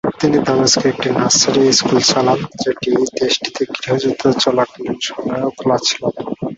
তিনি দামেস্কে একটি nursery school চালান, যেটি দেশটিতে গৃহযুদ্ধ চলাকালীন সময়েও খোলা ছিল।